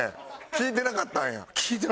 聞いてなかった。